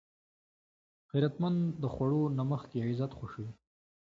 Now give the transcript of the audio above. غیرتمند د خوړو نه مخکې عزت خوښوي